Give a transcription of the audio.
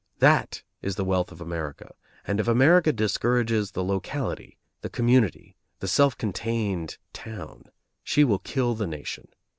That is the wealth of America, and if America discourages the locality, the community, the self contained town, she will kill the nation.